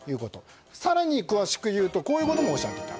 更に、詳しく言うとこういうこともおっしゃっていた。